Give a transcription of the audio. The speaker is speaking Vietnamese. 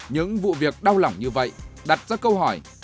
những vụ việc đau lỏng như vậy đặt ra câu hỏi